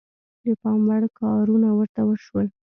د پام وړ کارونه ورته وشول.